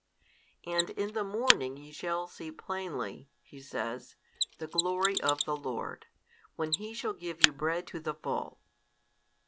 And in the morning ye shall see plainly, (he says) the glory of the Lord, when He shall give you bread to the full.